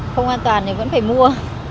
không an toàn thì vẫn phải mua